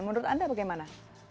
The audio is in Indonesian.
menurut anda bagaimana